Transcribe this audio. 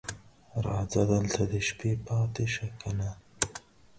راځه دلته د شپې پاتې شه کنه